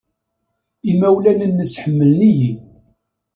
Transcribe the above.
Imawlan-nnes ḥemmlen-iyi.